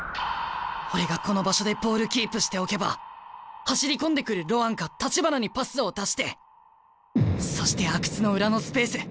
俺がこの場所でボールキープしておけば走り込んでくるロアンか橘にパスを出してそして阿久津の裏のスペース！